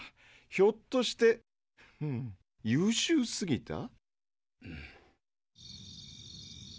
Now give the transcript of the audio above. ひょっとして優秀すぎた？